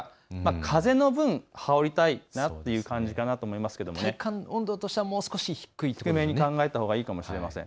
風の分、羽織りたいなという感じかなと思いますけど体感温度は低めに考えたほうがいいかもしれません。